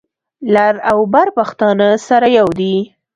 لر او بر پښتانه سره یو دي.